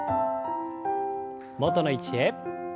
元の位置へ。